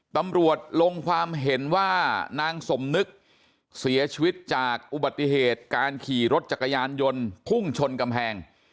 ตำรวจลงความเห็นว่านางสมนึกเสียชีวิตจากอุบัติเหตุการขี่รถจักรยานยนต์พุ่งชนกำแพง